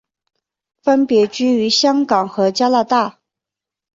分别居于香港和加拿大。